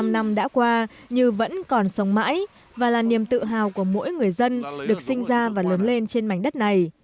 bảy mươi năm năm đã qua như vẫn còn sống mãi và là niềm tự hào của mỗi người dân được sinh ra và lớn lên trên mảnh đất này